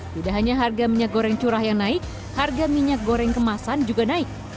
tidak hanya harga minyak goreng curah yang naik harga minyak goreng kemasan juga naik